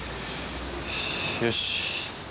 よし。